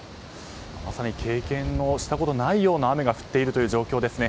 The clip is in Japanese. まさに経験したことないような雨が降っている状況ですね。